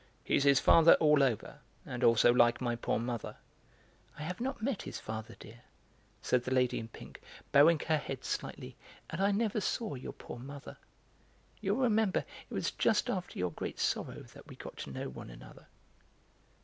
"He's his father all over, and also like my poor mother." "I have not met his father, dear," said the lady in pink, bowing her head slightly, "and I never saw your poor mother. You will remember it was just after your great sorrow that we got to know one another."